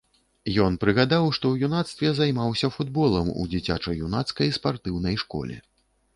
Ён прыгадаў, што ў юнацтве займаўся футболам у дзіцяча-юнацкай спартыўнай школе.